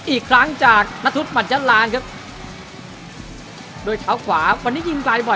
อีกครั้งจากนัทธุหมัดยันลานครับโดยเท้าขวาวันนี้ยิงไกลบ่อย